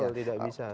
betul tidak bisa